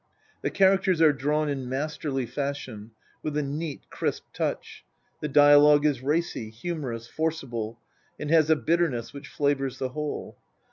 The characters are drawn in masterly fashion with a neat, crisp touch ; the dialogue is racy, humorous, forcible, and has a bitterness which flavours the whole.